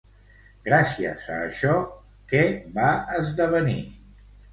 Gràcies a això, què va esdevenir?